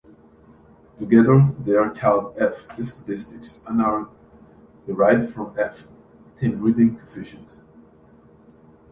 Together, they are called "F"-statistics, and are derived from "F", the inbreeding coefficient.